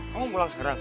kamu pulang sekarang